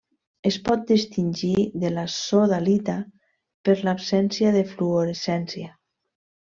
Es pot distingir de la sodalita per l'absència de fluorescència.